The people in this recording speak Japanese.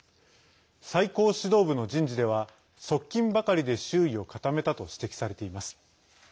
最高指導部の人事では側近ばかりで周囲を固めたと指摘されています。